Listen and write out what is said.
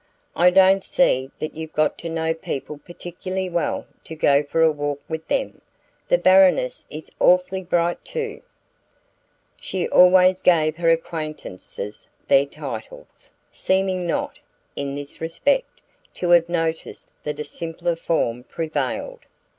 "I don't see that you've got to know people particularly well to go for a walk with them. The Baroness is awfully bright too." She always gave her acquaintances their titles, seeming not, in this respect, to have noticed that a simpler form prevailed.